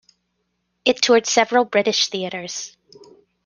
It toured several British theatres.